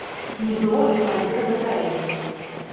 Не было і камандзіра батарэі.